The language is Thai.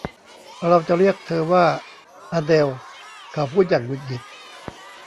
เราจะเรียกเธอว่าอะเดลเขาพูดอย่างหงุดหงิด